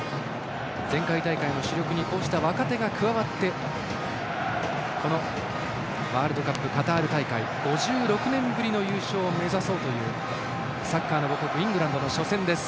前回大会の主力にこうした若手が加わってこのワールドカップカタール大会５６年ぶりの優勝を目指そうというサッカーの母国イングランドの初戦です。